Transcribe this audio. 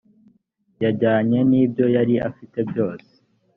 yajyanye nibyo yari afite byose